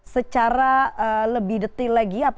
secara lebih detil lagi apa saja